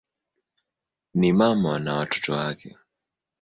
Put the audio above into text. Ni mama na watoto wake.